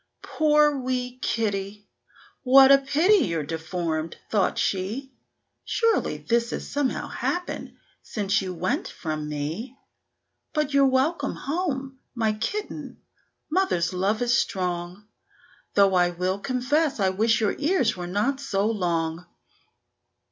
"Poor wee kitty! what a pity you're deformed!" thought she; "Surely this has somehow happened since you went from me. But you're welcome home, my kitten; mother's love is strong, Though I will confess I wish your ears were not so long."